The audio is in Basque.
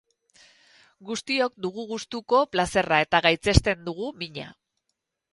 Guztiok dugu gustuko plazera eta gaitzesten dugu mina.